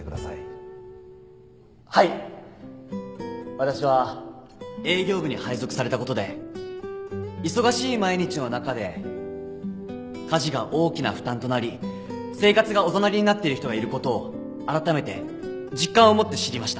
私は営業部に配属されたことで忙しい毎日の中で家事が大きな負担となり生活がおざなりになっている人がいることをあらためて実感を持って知りました。